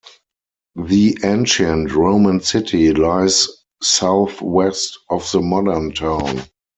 The ancient Roman city lies southwest of the modern town.